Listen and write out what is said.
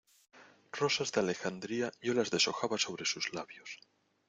¡ rosas de Alejandría, yo las deshojaba sobre sus labios!